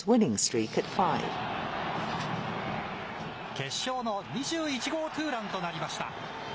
決勝の２１号ツーランとなりました。